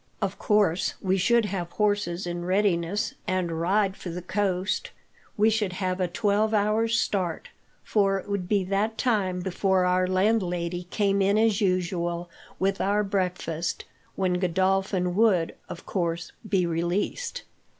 Of course, we should have horses in readiness, and ride for the coast. We should have a twelve hours' start, for it would be that time before our landlady came in as usual, with our breakfast, when Godolphin would, of course, be released."